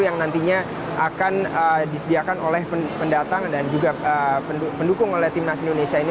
yang nantinya akan disediakan oleh pendatang dan juga pendukung oleh timnas indonesia ini